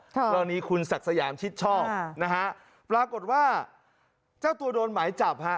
ทรวงนี้คุณสักสยามชิดชอบนะฮะปรากฏว่าเจ้าตัวโดนไหมจับฮะ